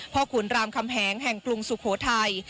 ขุนรามคำแหงแห่งกรุงสุโขทัย